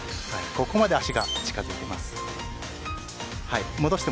ここまで足が近づいています。